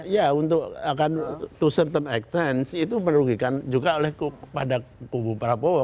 ya untuk akan to certain extent itu merugikan juga oleh kepada kubu para powo